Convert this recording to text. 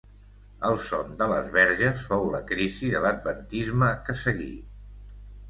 El son de les verges fou la crisi de l'adventisme que seguí.